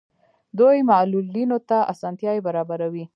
دوی معلولینو ته اسانتیاوې برابروي.